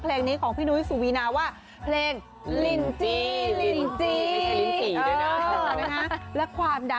เอ็ดมันหมูอะไรเว้ย